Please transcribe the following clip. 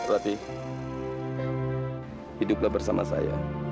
ratih hiduplah bersama saya